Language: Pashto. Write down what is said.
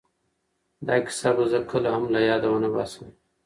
دا کیسه به زه کله هم له یاده ونه باسم.